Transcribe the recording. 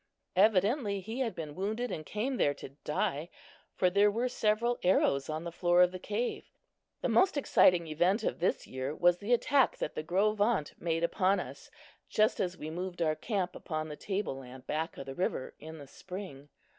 Evidently he had been wounded and came there to die, for there were several arrows on the floor of the cave. The most exciting event of this year was the attack that the Gros Ventres made upon us just as we moved our camp upon the table land back of the river in the spring.